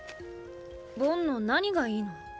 ボンの何がいいの？